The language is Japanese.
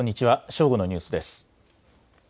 正午のニュースです。